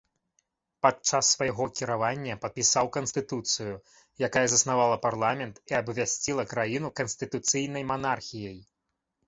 Падчас свайго кіравання падпісаў канстытуцыю, якая заснавала парламент і абвясціла краіну канстытуцыйнай манархіяй.